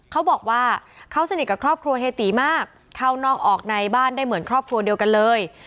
เขาบอกว่าเขาสนิทกับครอบครัวเฮตีมากเข้านอกออกในบ้านได้เหมือนครอบครัวเดียวกันเลย